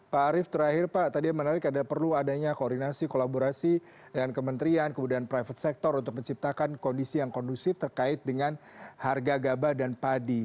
pak arief terakhir pak tadi menarik ada perlu adanya koordinasi kolaborasi dengan kementerian kemudian private sector untuk menciptakan kondisi yang kondusif terkait dengan harga gaba dan padi